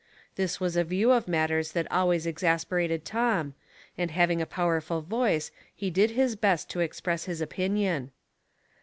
This was a view of matters that always exasperated Tom, and having a powerful voice he did his best to express his opinion.